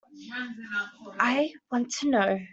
I want to know.